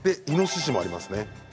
イノシシもありますね。